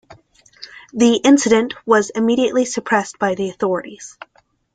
The incident was immediately suppressed by the authorities.